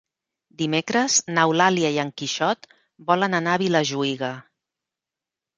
Dimecres n'Eulàlia i en Quixot volen anar a Vilajuïga.